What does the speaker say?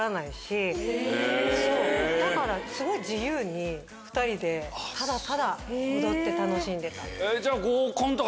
だからすごい自由に２人でただただ踊って楽しんでた。